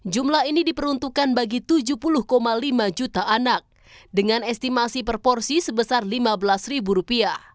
jumlah ini diperuntukkan bagi rp tujuh puluh lima juta anak dengan estimasi per porsi sebesar rp lima belas